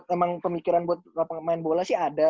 emang pemikiran buat pemain bola sih ada